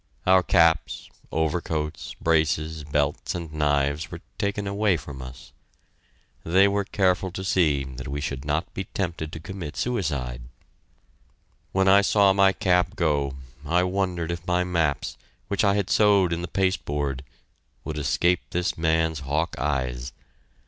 Our caps, overcoats, braces, belts, and knives were taken away from us. They were careful to see that we should not be tempted to commit suicide. When I saw my cap go, I wondered if my maps, which I had sewed in the pasteboard, would escape this man's hawk eyes.